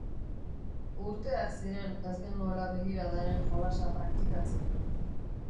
Urteak ziren ez genuela begiradaren jolasa praktikatzen.